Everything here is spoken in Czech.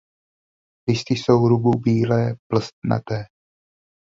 Listy jsou rubu bíle plstnaté.